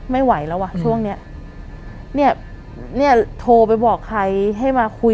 ไม่ไหวแล้วว่ะช่วงนี้โทรไปบอกใครให้มาคุยด้วย